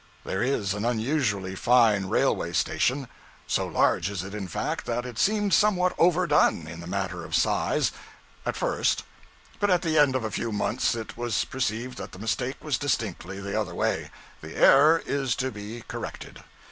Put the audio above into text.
There is an unusually fine railway station; so large is it, in fact, that it seemed somewhat overdone, in the matter of size, at first; but at the end of a few months it was perceived that the mistake was distinctly the other way. The error is to be corrected.